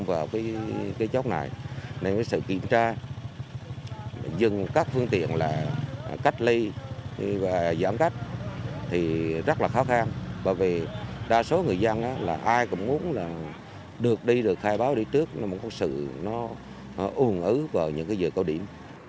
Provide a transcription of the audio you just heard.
giảm cách thì rất là khó khăn bởi vì đa số người dân là ai cũng muốn là được đi được khai báo đi trước nó cũng có sự nó ưu ứng ưu vào những cái giờ cao điểm